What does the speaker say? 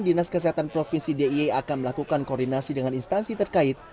dinas kesehatan provinsi d i e akan melakukan koordinasi dengan instansi terkait